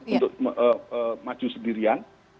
untuk maju sendirian